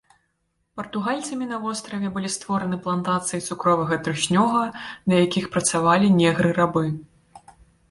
Партугальцамі на востраве былі створаны плантацыі цукровага трыснёга, на якіх працавалі негры-рабы.